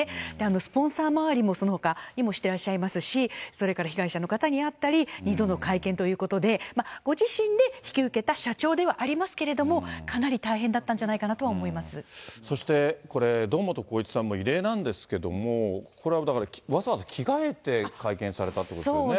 スポンサー回りもそのほか、してらっしゃいますし、それから被害者の方に会ったり、２度の会見ということで、ご自身で引き受けた社長ではありますけれども、かなり大変だったそしてこれ、堂本光一さんも異例なんですけども、これはだから、わざわざ着替えて会見されたということですよね。